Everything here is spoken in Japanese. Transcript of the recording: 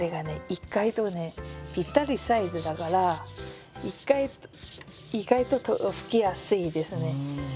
意外とねぴったりサイズだから意外と拭きやすいですね。